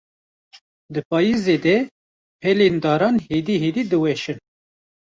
Di payîzê de, pelên daran hêdî hêdî diweşin.